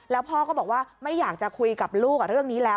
แล้วพ่อก็บอกว่าไม่อยากจะคุยกับลูกเรื่องนี้แล้ว